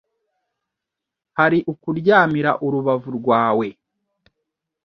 Hari ukuryamira urubavu rwawe